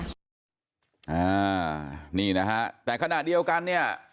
อ่านี่นะฮะแต่ขณะเดียวกันเนี่ย